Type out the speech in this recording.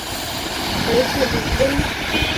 儿子李威。